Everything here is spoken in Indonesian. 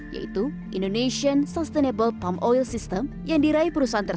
yaitu indonesian sustainable palm oil system